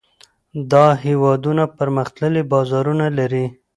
دا هېوادونه پرمختللي بازارونه لري.